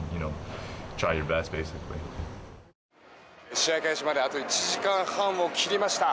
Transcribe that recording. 試合開始まであと１時間半を切りました。